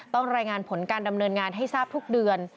รายงานผลการดำเนินงานให้ทราบทุกเดือน